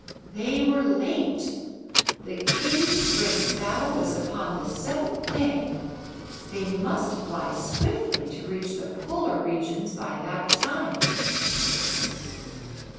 They were late. The king's great battle was upon the seventh day, and they must fly swiftly to reach the Polar regions by that time.